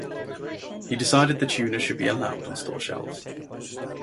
He decided the tuna should be allowed on store shelves.